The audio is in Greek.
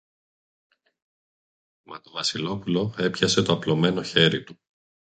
Μα το Βασιλόπουλο έπιασε το απλωμένο χέρι του.